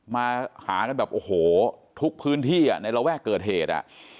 มาหากันแบบโอ้โหทุกพื้นที่ในระแวกเกิดเหตุ